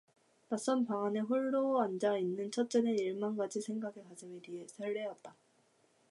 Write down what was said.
낯선 방 안에 홀로 앉아 있는 첫째는 일만 가지 생각에 가슴이 뒤설레었다.